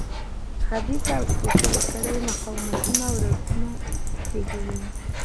خبیثه او سپېڅلې کړۍ مقاومتونه او رکودونه زېږوي.